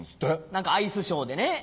何かアイスショーでね。